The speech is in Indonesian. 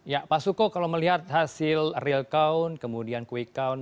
ya pak suko kalau melihat hasil real count kemudian quick count